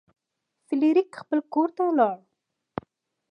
فلیریک خپل کور ته لاړ.